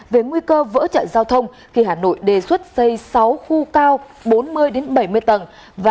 về nguy cơ vỡ trận giao thông khi hà nội đề xuất xây sáu khu cao bốn mươi bảy mươi tầng